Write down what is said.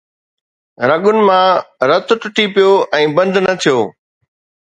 رڳن مان رت ٽٽي پيو ۽ بند نه ٿيو